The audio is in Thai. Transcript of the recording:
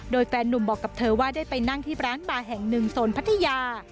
โดยแฟนนุ่มบอกกับเธอว่าได้ไปนั่งที่ร้านบาร์แห่งหนึ่งโซนพัทยา